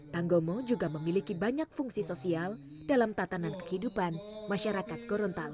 tanggomo juga memiliki banyak fungsi sosial dalam tatanan kehidupan masyarakat gorontalo